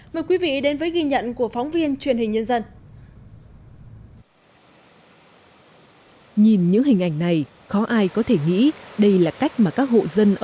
mời quý vị đến với ghi nhận của phóng viên truyền hình nhân dân